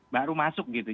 baru masuk gitu